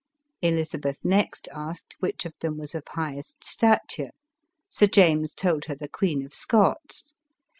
Elizabeth next asked which of them was of highest stature ? Sir James told her the Queen of Scots.